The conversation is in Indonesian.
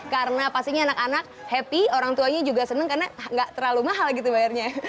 karena pastinya anak anak happy orang tuanya juga senang karena tidak terlalu mahal bayarnya